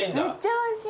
おいしい。